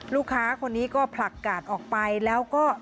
ลูกค้าคนนี้ก็ผลักกาดออกไปแล้วก็